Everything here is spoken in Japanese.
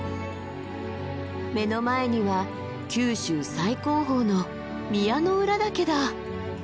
目の前には九州最高峰の宮之浦岳だ。